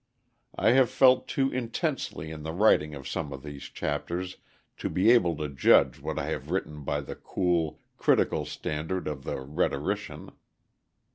I have felt too intensely in the writing of some of these chapters to be able to judge what I have written by the cool, critical standard of the rhetorician.